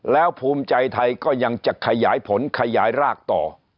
แล้วภูมิใจไทยก็ยังจะขยายผลขยายรากต่อ